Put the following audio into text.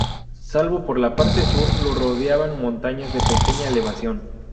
Salvo por la parte sur, lo rodean montañas de pequeña elevación.